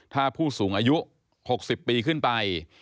ถ้าผู้สูงอายุ๖๐ปีขึ้นไป